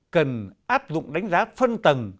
cần áp dụng đánh giá phân tầng